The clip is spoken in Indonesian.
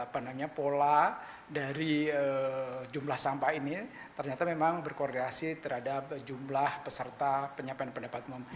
padahal pola dari jumlah sampah ini ternyata memang berkoordinasi terhadap jumlah peserta penyampaian pendapatan